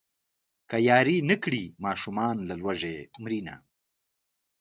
که ياري نه کړي ماشومان له لوږې مرينه.